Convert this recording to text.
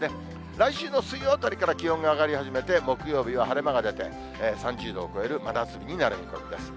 来週の水曜あたりから気温が上がり始めて、木曜日は晴れ間が出て、３０度を超える真夏日になる見込みです。